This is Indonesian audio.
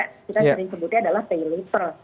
kita sering sebutnya adalah pay later